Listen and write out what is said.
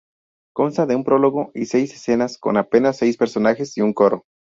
Consta de un prólogo y seis escenas, con apenas seis personajes y un coro.